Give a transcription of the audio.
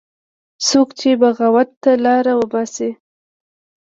څوک چې بغاوت ته لاره وباسي